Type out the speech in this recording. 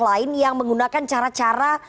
lain yang menggunakan cara cara